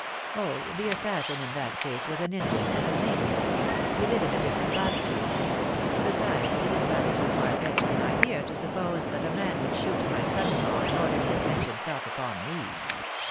"Oh, the assassin in that case was an Indian, and a maniac. We live in a different latitude. Besides, it is rather too far fetched an idea to suppose that a man would shoot my son in law in order to avenge himself upon me."